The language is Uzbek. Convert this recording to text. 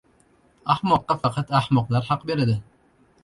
• Ahmoqqa faqat ahmoqlar haq beradi.